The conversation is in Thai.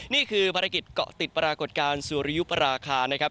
นี่คือภารกิจเกาะติดปรากฏการณ์สุริยุปราคานะครับ